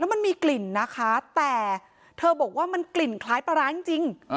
มันมีกลิ่นนะคะแต่เธอบอกว่ามันกลิ่นคล้ายปลาร้าจริง